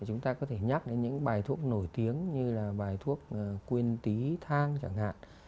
chúng ta có thể nhắc đến những bài thuốc nổi tiếng như là bài thuốc quyên tý thang chẳng hạn